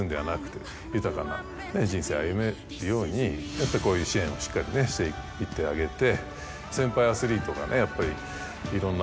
やっぱりこういう支援をしっかりねしていってあげて。